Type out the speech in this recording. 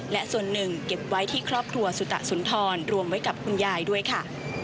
และส่วนหนึ่งเก็บไว้ที่ครอบครัวสุตะสุนทรรวมไว้กับคุณยายด้วยค่ะ